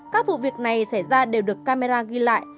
các vụ việc này xảy ra đều được camera ghi lại